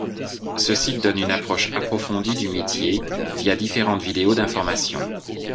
Ce site donne une approche approfondie du métier via différentes vidéos d'information.